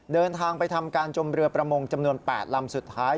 เดินทางไปทำการจมเรือประมงจำนวน๘ลำสุดท้าย